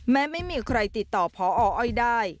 แม้ไม่มีใครติดต่อพออ้อยได้